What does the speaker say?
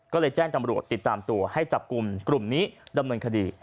ก็เลยแจ้งตำรวจติดตามตัวให้จับกลุ่มกลุ่มนี้ดำเนินคดี